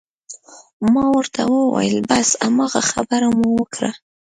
ما ورته وویل: بس هماغه خبره مو وکړه.